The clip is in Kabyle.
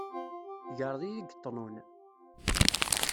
Tegreḍ-iyi deg ṭnun.